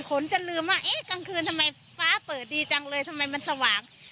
คนจะลืมว่าเอ๊ะกลางคืนทำไมฟ้าเปิดดีจังเลยทำไมมันสว่าง